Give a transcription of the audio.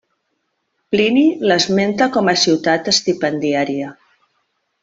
Plini l'esmenta com a ciutat estipendiaria.